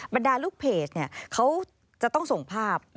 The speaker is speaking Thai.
บรรดาลูกเพจเขาจะต้องส่งภาพ